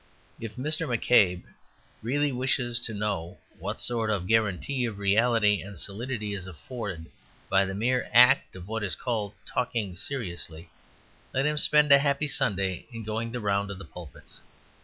If Mr. McCabe really wishes to know what sort of guarantee of reality and solidity is afforded by the mere act of what is called talking seriously, let him spend a happy Sunday in going the round of the pulpits.